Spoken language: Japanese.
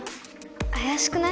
あやしくない？